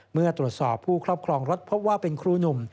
เมื่อตรวจสอบผู้ครอบครองรถพบว่าเป็นครูหนุ่ม